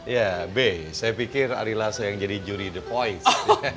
ya saya pikir ari lasso yang jadi juri the voice